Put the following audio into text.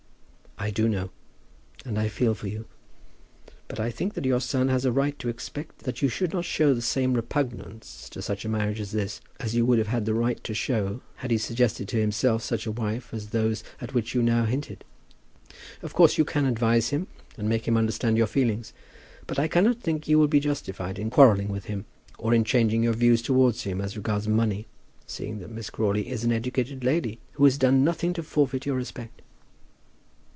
"I do know; and I feel for you. But I think that your son has a right to expect that you should not show the same repugnance to such a marriage as this as you would have had a right to show had he suggested to himself such a wife as those at which you just now hinted. Of course you can advise him, and make him understand your feelings; but I cannot think you will be justified in quarrelling with him, or in changing your views towards him as regards money, seeing that Miss Crawley is an educated lady, who has done nothing to forfeit your respect."